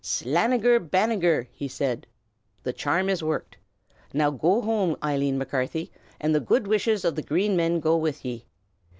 "Slanegher Banegher!" he said. "The charm is worked. Now go home, Eileen Macarthy, and the good wishes of the Green Men go with ye.